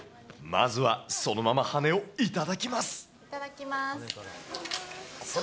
まずはそのまま羽根をいただいただきます。